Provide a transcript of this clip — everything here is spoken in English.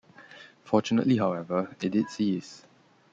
Fortunately, however, it did cease.